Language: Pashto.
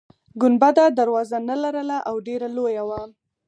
ګنبده دروازه نلرله او ډیره لویه وه.